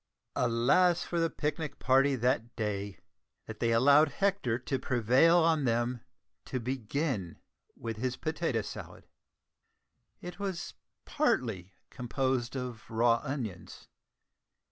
Alas for the picnic party that day, that they allowed Hector to prevail on them to begin with his potato salad! It was partly composed of raw onions.